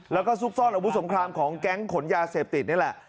แล้วก็ซุกซ่อนอาวุธสงครามของแก๊งขนยาเสพติดนี่แหละ